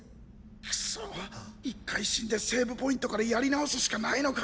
くそ一回死んでセーブポイントからやり直すしかないのか？